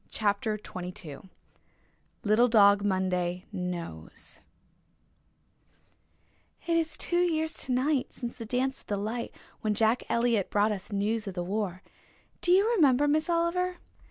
CHAPTER XXII LITTLE DOG MONDAY KNOWS "It is two years tonight since the dance at the light, when Jack Elliott brought us news of the war. Do you remember, Miss Oliver?"